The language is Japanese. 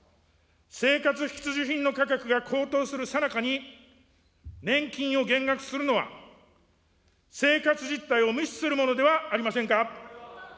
生活必需品の価格が高騰するさなかに、年金を減額するのは、生活実態を無視するものではありませんか。